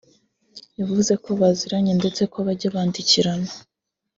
yavuze ko baziranye ndetse ko bajya bandikirana